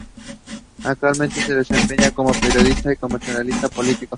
Actualmente se desempeña como periodista y comentarista político.